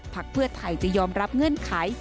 เพื่อไทยจะยอมรับเงื่อนไข